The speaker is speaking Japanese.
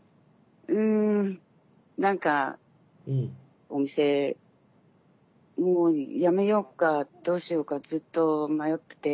うん何かお店もうやめようかどうしようかずっと迷ってて。